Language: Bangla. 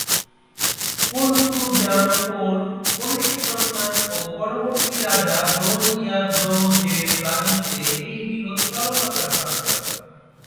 কুন-তু-ব্জাং-পোর কনিষ্ঠ সন্তান ও পরবর্তী রাজা দোন-য়োদ-র্দো-র্জের রাজত্বে এই বিরোধ চরম আকার ধারণ করে।